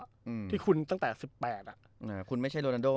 อืมที่คุณตั้งแต่สิบแปดอ่ะอ่าคุณไม่ใช่โรนาโด